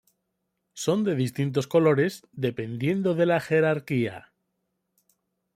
Son de distintos colores dependiendo de la jerarquía.